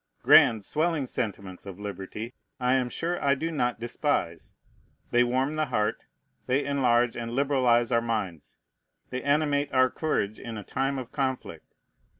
Grand, swelling sentiments of liberty I am sure I do not despise. They warm the heart; they enlarge and liberalize our minds; they animate our courage in a time of conflict.